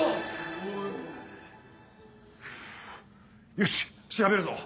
よし調べるぞ！